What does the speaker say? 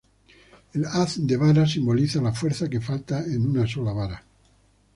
El haz de varas simboliza la fuerza que falta en una sola vara.